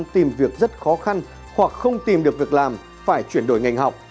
hai mươi tìm việc rất khó khăn hoặc không tìm được việc làm phải chuyển đổi ngành học